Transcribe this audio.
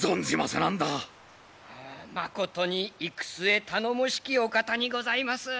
まことに行く末頼もしきお方にございます。